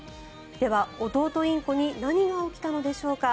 では、弟インコに何が起きたのでしょうか。